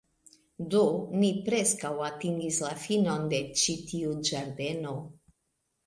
Do, ni preskaŭ atingis la finon de ĉi tiu ĝardeno